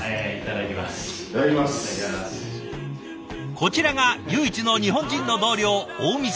こちらが唯一の日本人の同僚近江さん。